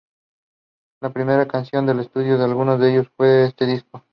La primera canción que se editó de algunos de ellos fue en este disco.